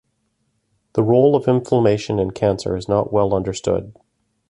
The role of inflammation in cancer is not well understood.